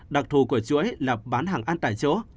đặc thù của chuỗi là bán hàng ăn tại chỗ